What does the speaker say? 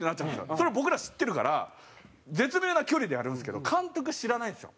それ僕ら知ってるから絶妙な距離でやるんですけど監督知らないんですよ。